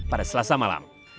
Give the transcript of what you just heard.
pada selasa malam